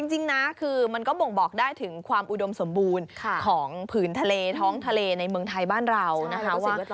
จริงนะคือมันก็บ่งบอกได้ถึงความอุดมสมบูรณ์ของผืนทะเลท้องทะเลในเมืองไทยบ้านเรานะคะว่า